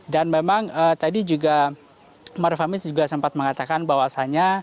dan memang tadi juga maruf amin juga sempat mengatakan bahwasannya